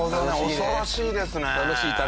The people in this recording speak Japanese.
恐ろしいですね。